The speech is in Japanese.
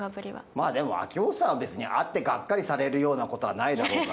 まあでも秋元さんは別に会ってガッカリされるようなことはないだろうから。